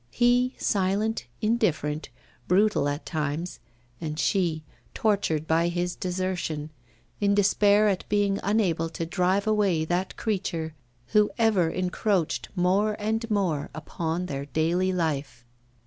he, silent, indifferent, brutal at times, and she, tortured by his desertion, in despair at being unable to drive away that creature who ever encroached more and more upon their daily life!